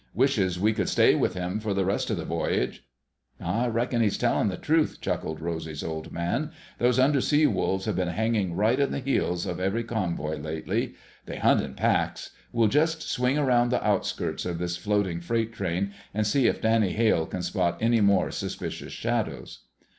Wishes we could stay with him for the rest of the voyage." "I reckon he's telling the truth," chuckled Rosy's Old Man. "Those undersea wolves have been hanging right at the heels of every convoy lately. They hunt in packs. We'll just swing around the outskirts of this floating freight train and see if Danny Hale can spot any more suspicious shadows."